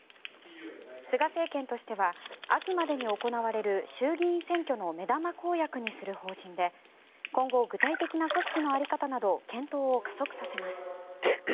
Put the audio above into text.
菅政権としては秋までに行われる衆議院選挙の目玉公約にする方針で今後、具体的な組織の在り方など検討を加速させます。